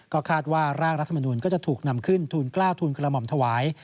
ก็คาดว่าร่างรัฐมนุนก็จะถูกนำขึ้นทูลกล้าวทูลกระหม่อมถวาย